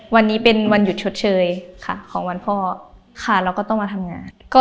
วันนี้เป็นวันหยุดชดเชยค่ะของวันพ่อค่ะแล้วก็ต้องมาทำงาน